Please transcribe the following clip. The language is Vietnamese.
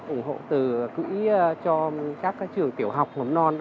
ủng hộ từ cử ý cho các trường tiểu học ngầm non